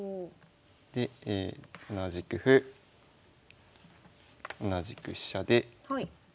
で同じく歩同じく飛車で。